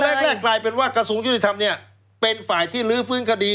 แรกกลายเป็นว่ากระทรวงยุติธรรมเนี่ยเป็นฝ่ายที่ลื้อฟื้นคดี